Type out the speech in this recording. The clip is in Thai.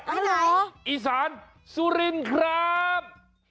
อะไรเหรออีสานสุรินครับ